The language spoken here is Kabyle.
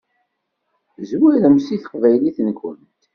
Zwiremt seg teqbaylit-nkent.